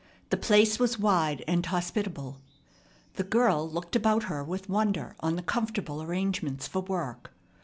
The place was wide and hospitable. The girl looked about her with wonder on the comfortable arrangements for work.